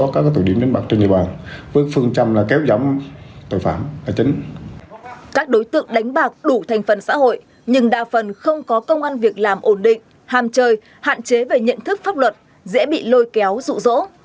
các đối tượng đánh bạc đủ thành phần xã hội nhưng đa phần không có công an việc làm ổn định hàm chơi hạn chế về nhận thức pháp luật dễ bị lôi kéo rụ rỗ